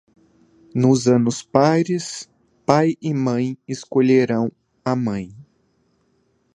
Nos anos pares, pai e mãe escolherão a mãe.